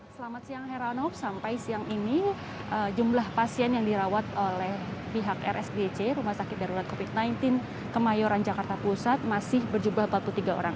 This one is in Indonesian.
selamat siang heranov sampai siang ini jumlah pasien yang dirawat oleh pihak rsdc rumah sakit darurat covid sembilan belas kemayoran jakarta pusat masih berjumlah empat puluh tiga orang